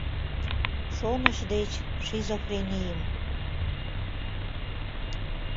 Шоныш деч — шизофренийым